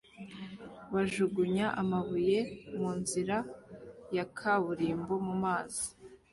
bajugunya amabuye mu nzira ya kaburimbo mu mazi